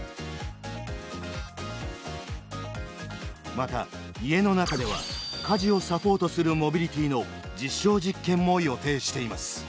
また家の中では家事をサポートするモビリティの実証実験も予定しています。